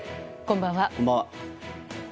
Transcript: こんばんは。